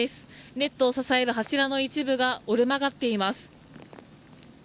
ネットを支える柱の一部が折れ曲がっています。